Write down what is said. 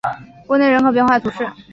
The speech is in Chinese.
沃内人口变化图示